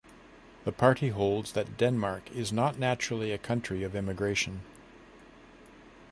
The party holds that Denmark is not naturally a country of immigration.